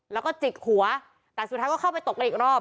แล้วก็จิกหัวแต่สุดท้ายก็เข้าไปตบกันอีกรอบ